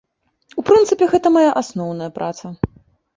У прынцыпе, гэта мая асноўная праца.